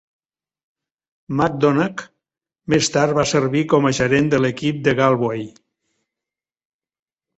McDonagh més tard va servir com a gerent de l'equip de Galway.